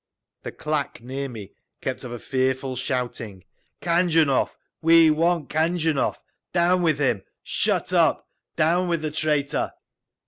The claque near me kept up a fearful shouting, "Khanjunov! We want Khanjunov! Down with him! Shut up! Down with the traitor!"